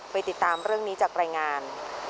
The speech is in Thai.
ติดตามเรื่องนี้จากรายงาน